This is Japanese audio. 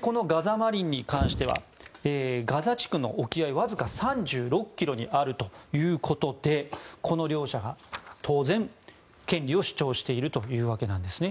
このガザ・マリンに関してはガザ地区の沖合わずか３６ｋｍにあるということでこの両者が当然、権利を主張しているというわけです。